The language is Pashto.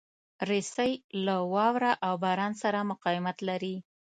رسۍ له واوره او باران سره مقاومت لري.